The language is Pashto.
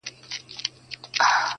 سل هنره ور بخښلي پاك سبحان دي-